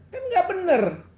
kan nggak benar